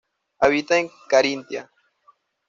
Habita en Carintia.